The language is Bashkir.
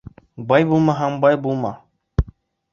Бай булмаһаң бай булма